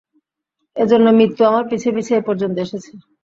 এজন্য মৃত্যু আমার পিছে পিছে এই পর্যন্ত এসেছে।